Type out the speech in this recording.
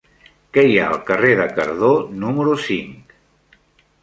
Què hi ha al carrer de Cardó número cinc?